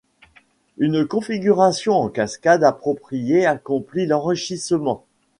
Une configuration en cascade appropriée accomplit l'enrichissement.